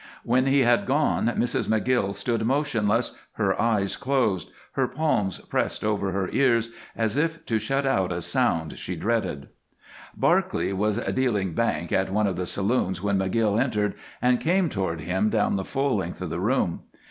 When he had gone Mrs. McGill stood motionless, her eyes closed, her palms pressed over her ears as if to shut out a sound she dreaded. Barclay was dealing "bank" in one of the saloons when McGill entered and came toward him down the full length of the room.